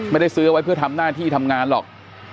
ไม่ได้ซื้อไว้เพื่อทำหน้าที่ทำงานหรอก